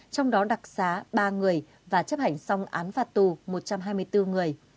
trong đó đặc xá ba người và chấp hành xong án phạt tù một trăm hai mươi bốn người